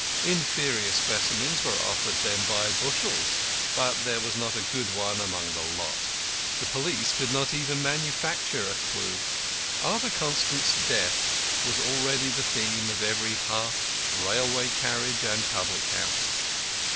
Inferior specimens were offered them by bushels, but there was not a good one among the lot. The police could not even manufacture a clue. Arthur Constant's death was already the theme of every hearth, railway carriage, and public house.